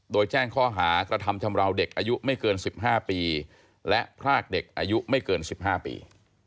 โดยแจ้งข้อหากระทำชำราวเด็กอายุไม่เกิน๑๕ปีและพรากเด็กอายุไม่เกิน๑๕ปี